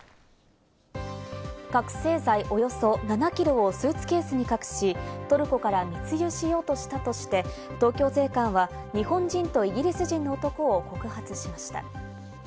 覚醒剤およそ７キロをスーツケースに隠し、トルコから密輸しようとしたとして、東京税関は日本人とイギリス人の男を告発しました。